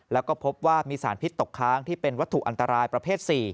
แล้วก็พบว่ามีสารพิษตกค้างที่เป็นวัตถุอันตรายประเภท๔